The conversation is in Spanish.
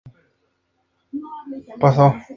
Todos estos motivos pusieron fin a Terror Squad como grupo.